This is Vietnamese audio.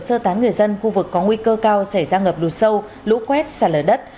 sơ tán người dân khu vực có nguy cơ cao xảy ra ngập lụt sâu lũ quét sạt lở đất